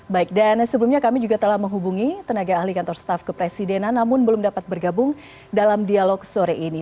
baik dan sebelumnya kami juga telah menghubungi tenaga ahli kantor staf kepresidenan namun belum dapat bergabung dalam dialog sore ini